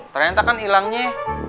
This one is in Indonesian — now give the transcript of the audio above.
ternyata kan hilangnya